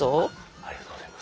ありがとうございます。